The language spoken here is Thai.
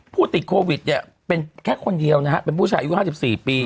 ผู้ติดโควิดเป็นแค่คนเดียวนะครับเป็นผู้ชายอายุ๕๔ปี